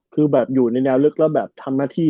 คืออยู่ในแนวลึกแล้วทำหน้าที่